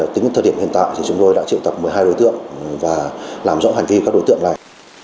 tính đến thời điểm hiện tại thì chúng tôi đã triệu tập một mươi hai đối tượng và làm rõ hành vi của các đối tượng này